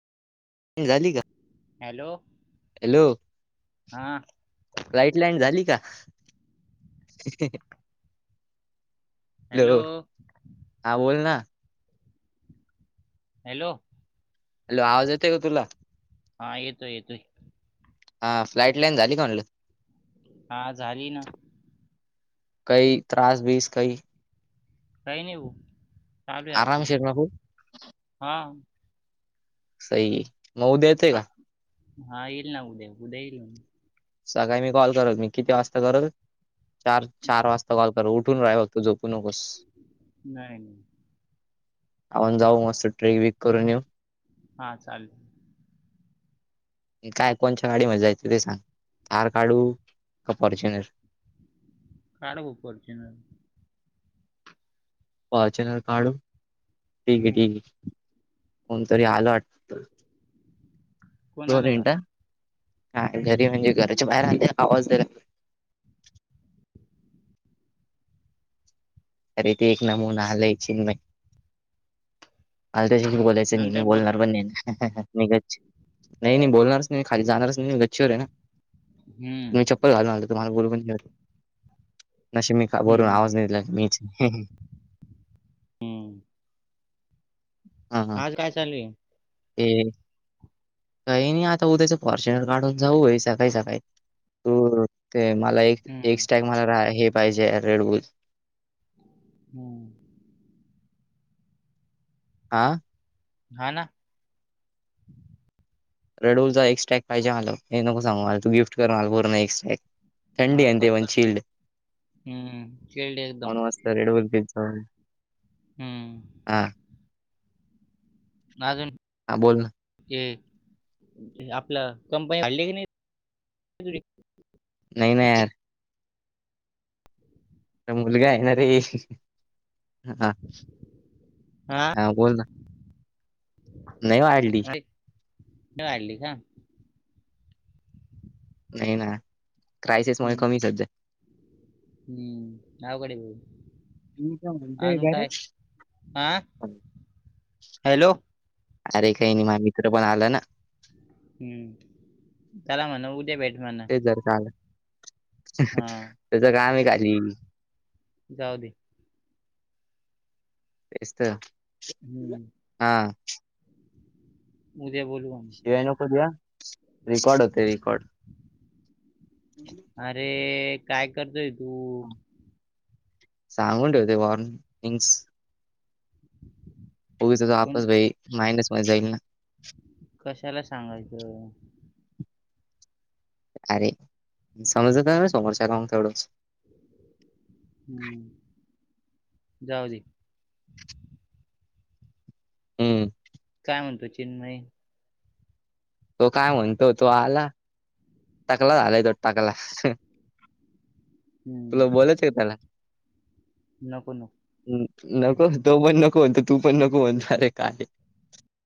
झाली का hello hello हा फ्लाईट लँड झाली का हॅलो हा बोल ना हॅलो हॅलो आवाज येतय का तुला हा येतोय येतोय हा फ्लाईट लाईन झाली का म्हलं हा झाली ना काही त्रास बीस काही काही नाही चालेू आप आरामशीर ना खूप हा स मऊ देत हा का हा येईल ना उद्या उद्या येईल सकाळी मी कॉल करल मी किती वाजता करल चार चार वाजता कॉल कर उठून राहिव. तू झोपूनकोस नाही नाही आपण जाऊ मस्त ट्रेक बीक करून येऊ हा चालेल काय कोणच्या्या गाडीमध्येध्ये जायचं ते सांग थार काढू का फॉर्च्युनर. काड भाऊ फोर्टूनर. पॉचनर काढू ठीक आहे हम्म ठीक आहे कोणतरी आलं वाट. कोण दोन आलं घरात मिनट घरी म्हणजे घराच्या बाहेर आले आवाज दला. अरे ते एक नमून आलंय चीन्मय. अलकशी बोलायचं नाही मी नंतर बोल बोलणार मला पण नाही. गच नाही नाही बोलणार रच नाही खाली जाणारच नाही गच्छीर आहे ना हम्म तुम. घालून आलं तुम्हाला बोल न मी बोलून हम्म आवाज नि दिला मी हम्म आज काय चालवे ह काही नाही आता उद्याच फॉर्च्युनर काढून जाऊ आहे सकाळी सकाळी तू ते मला एक एक हम्म स्टॅग मला हे पाहिजे रेड बुल. हम हा हा ना रेड रलचा एक स्टॅग पाहिजे आला हे नको सांगू मला तू गिफ्ट करून आला एक स्टॅग ह करतो हम्म खेळली एकदम. रेड बघचा हमम [unintelligible] हा बोल ना. आपलं कंपनी हडली की नाही. नाही ना यार [unintelligible] मुलगा आहे ना रे हा हा बोल ना. नाही वाढली. वाढली का. नाही ना क्रायसिसमुळे हम्म कमीच सध्या. हम्म आवकडे मी काय भा. म्हणतोय अजून का रे? काय हा हॅलो. अरे काही नाही म मित्र पण आला ना. हम् त्याला म्हण उद्या भेट म्हण. ज काल हा त्याच काम आहे काली. जाऊ दे. तेसत हम्म हा. उद्या बोल. शिवाय नको द रेकॉर्ड होते रकॉर्ड. अरे काय करतोय तू. सांगून ठेवते वॉर्नंग्स. उग पण आपसई मायंडस मध्ये जाईल ना. कशाला सांगायचं. अरे समजात ना समोरचा काण डच. ह् जाऊडे. हम्म काय म्हणतो चिन्मय. तो काय म्हणतो तो आला टाकला झालाय तो टाकला. हम्म तुला बोोलच का त्याला. नको नको नको तो पण नको म्हणतो तू पण नको म्हणणारे काय